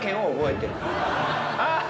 あっ！